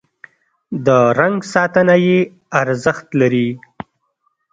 د رنګ ساتنه یې ارزښت لري.